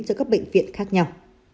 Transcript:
giữa các bệnh viện khác nhau